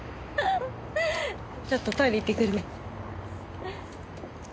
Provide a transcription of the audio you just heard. ちょっとトイレ行ってくるね。